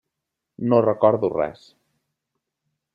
No recordo res.